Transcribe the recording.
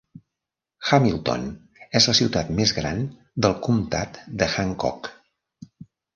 Hamilton és la ciutat més gran del comtat de Hancock.